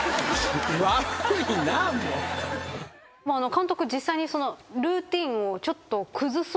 監督実際に。